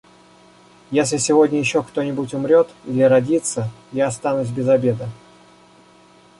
Если сегодня еще кто-нибудь умрет или родится, я останусь без обеда.